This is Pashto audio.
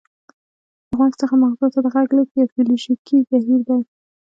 له غوږ څخه مغزو ته د غږ لیږد یو فزیولوژیکي بهیر دی